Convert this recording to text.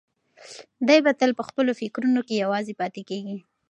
دی به تل په خپلو فکرونو کې یوازې پاتې کېږي.